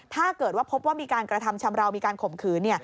ถ้าเกิดว่าพบว่ามีการกระทำชำราวมีการข่มขืน